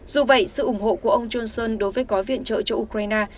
dù vậy sự ủng hộ của ông johnson đối với gói viện trợ cho ukraine